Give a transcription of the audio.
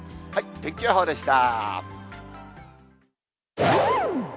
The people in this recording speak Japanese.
天気予報でした。